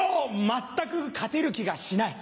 全く勝てる気がしない。